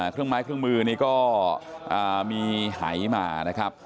เครื่องไม้เครื่องมือนี่ก็มีหายมานะครับ